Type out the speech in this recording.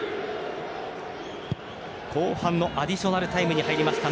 後半のアディショナルタイムに入りました。